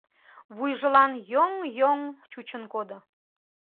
Вуйжылан йоҥ-йоҥ чучын кодо.